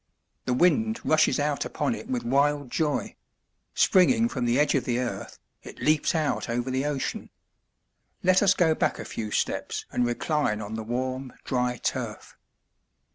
The wind rushes out upon it with wild joy; springing from the edge of the earth, it leaps out over the ocean. Let us go back a few steps and recline on the warm dry turf.